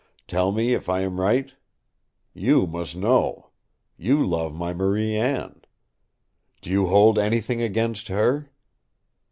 Tell me if I am right? You must know. You love my Marie Anne. Do you hold anything against her?"